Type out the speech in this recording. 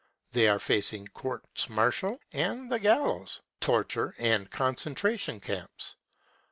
They are facing courts martial and the gal lows, torture and concentration camps.